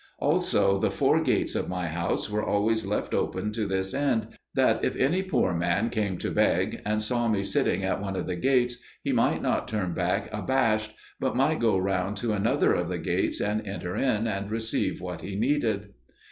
Also the four gates of my house were always left open to this end, that if any poor man came to beg, and saw me sitting at one of the gates, he might not turn back abashed, but might go round to another of the gates, and enter in and receive what he needed.